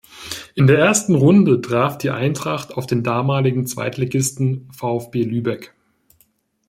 In der ersten Runde traf die Eintracht auf den damaligen Zweitligisten VfB Lübeck.